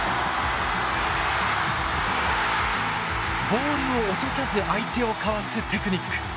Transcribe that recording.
ボールを落とさず相手をかわすテクニック。